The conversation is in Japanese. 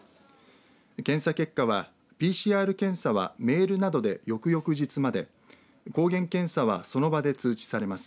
検査結果はＰＣＲ検査はメールなどで翌々日まで抗原検査はその場で通知されます。